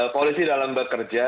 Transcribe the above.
polisi dalam bekerja